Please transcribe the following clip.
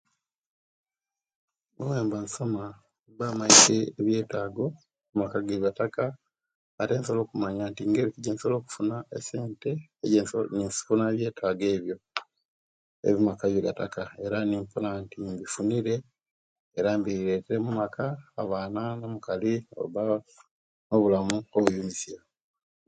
Owemba nsoma mba imaite ebyettaago amaka ekigattaka ate nsobola okumanya nti ingeri kyi ejensobola okufuna esente nifuna ebyetago ebye amaka ejigataka era nebifuna nti bifunire era mbiretere mumamaka abaana no'mukali baba no'bulamu obunyumisya